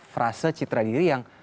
frase citra diri yang